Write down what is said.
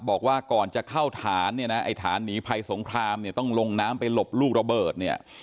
บอกว่าก่อนจะเข้าฐานไอ้ฐานหนีไพสงครามต้องลงน้ำไปหลบลูกระเบิด